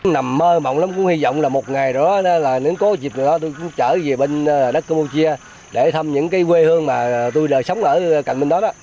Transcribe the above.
nằm mơ mộng lắm cũng hy vọng là một ngày đó là nếu có dịp được đó tôi cũng chở về bên đất cơ mô chia để thăm những quê hương mà tôi sống ở cạnh bên đó đó